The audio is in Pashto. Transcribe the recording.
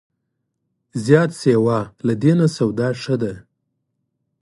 زیات سیوا له دې نه، سودا ښه نه ده